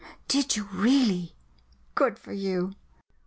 Did you really? Good for you!